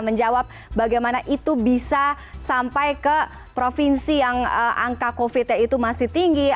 menjawab bagaimana itu bisa sampai ke provinsi yang angka covid nya itu masih tinggi